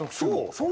そう？